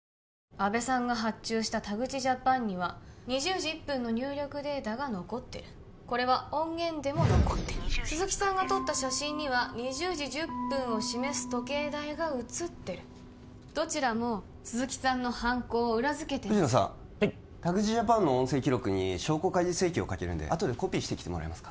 阿部さんが発注した田口ジャパンには２０時０１分の入力データが残ってるこれは音源でも残ってる鈴木さんが撮った写真には２０時１０分を示す時計台が写ってるどちらも鈴木さんの犯行を裏付けてます藤野さん田口ジャパンの音声記録に証拠開示請求をかけるんであとでコピーしてきてもらえますか？